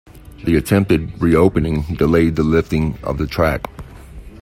The attempted re-opening delayed the lifting of the track.